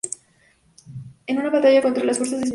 En una batalla contra las fuerzas de Schmidt.